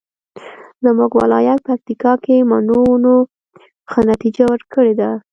زمونږ ولایت پکتیکا کې مڼو ونو ښه نتیجه ورکړې ده